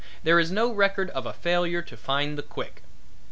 There is no record of a failure to find the quick.